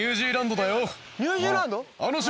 ニュージーランド？